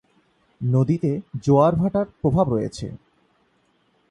নদীতে জোয়ার-ভাটার প্রভাব রয়েছে।